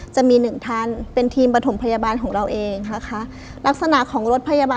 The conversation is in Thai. จะมีหนึ่งท่านเป็นทีมประถมพยาบาลของเราเองนะคะลักษณะของรถพยาบาล